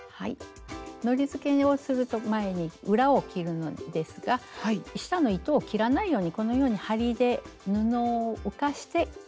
のりづけをする前に裏を切るのですが下の糸を切らないようにこのように針で布を浮かして。